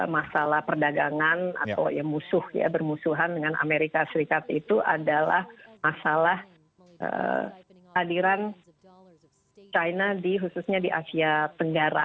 masalah perdagangan atau ya musuh ya bermusuhan dengan amerika serikat itu adalah masalah hadiran china khususnya di asia tenggara